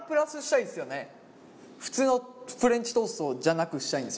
普通のフレンチトーストじゃなくしたいんですよ。